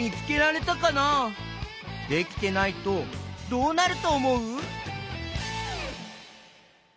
できてないとどうなるとおもう？